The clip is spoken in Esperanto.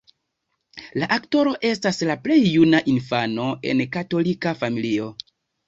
La aktoro estas la plej juna infano en katolika familio.